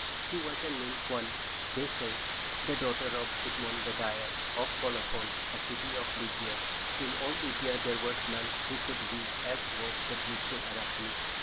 She was a nymph once, they say—the daughter of Idmon the dyer, of Colophon, a city of Lydia. In all Lydia there was none who could weave as wove the beautiful Arachne.